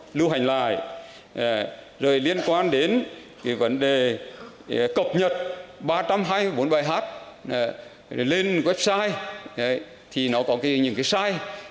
lưu hành lại rồi liên quan đến cái vấn đề cập nhật ba trăm hai mươi bốn bài hát lên website thì nó có những cái sai